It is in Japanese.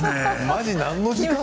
マジ、何の時間？